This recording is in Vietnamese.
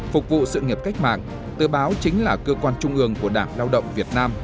phục vụ sự nghiệp cách mạng tờ báo chính là cơ quan trung ương của đảng lao động việt nam